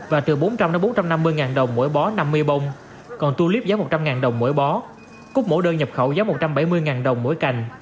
một trăm năm mươi bông còn tulip giá một trăm linh đồng mỗi bó cúc mổ đơn nhập khẩu giá một trăm bảy mươi đồng mỗi cành